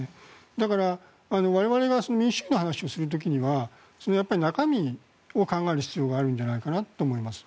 だから、我々が民主主義の話をする時には中身を考える必要があるんじゃないかなと思います。